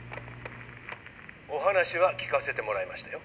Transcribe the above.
お話は聞かせてもらいましたよ。